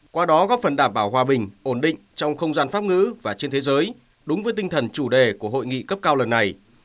qua đó góp phần đảm bảo hòa bình ổn định trong không gian pháp ngữ và trên thế giới đúng với tinh thần chủ đề của hội nghị cấp cao lần này